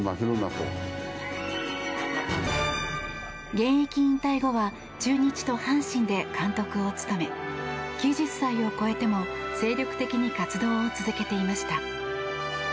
現役引退後は中日と阪神で監督を務め９０歳を超えても精力的に活動を続けていました。